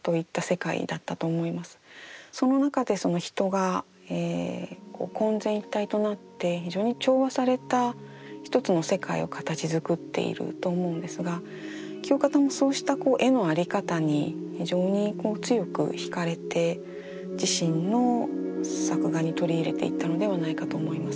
その中で人が混然一体となって非常に調和された一つの世界を形づくっていると思うのですが清方はそうした絵の在り方に非常に強く惹かれて自身の作画に取り入れていったのではないかと思います。